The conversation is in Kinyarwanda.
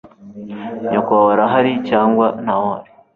nyoko wawe arahari cyangwa ntawuhari